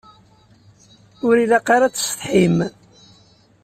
Ur ilaq ara ad tessetḥim.